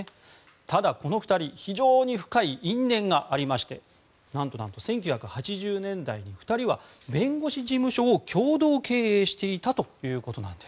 ただ、この２人非常に深い因縁がありまして何と１９８０年代に２人は弁護士事務所を共同経営していたと。